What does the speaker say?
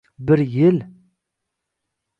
— Bir yil?